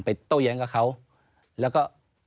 โต้แย้งกับเขาแล้วก็